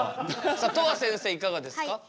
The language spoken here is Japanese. さあとわせんせいいかがですか？